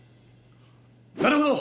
なるほど！